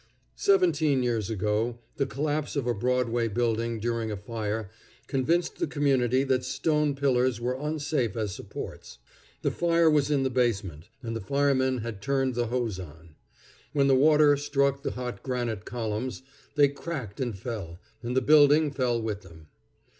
Seventeen years ago the collapse of a Broadway building during a fire convinced the community that stone pillars were unsafe as supports. The fire was in the basement, and the firemen had turned the hose on. When the water struck the hot granite columns, they cracked and fell, and the building fell with them.